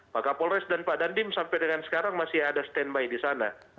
pak kapolres dan pak dandim sampai dengan sekarang masih ada standby di sana